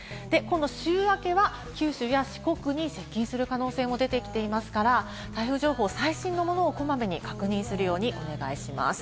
週明けは九州や四国に接近する可能性も出てきていますから、台風情報最新のものをこまめに注意するようにお願いします。